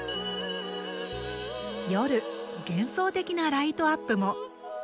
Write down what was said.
夜、幻想的なライトアップも。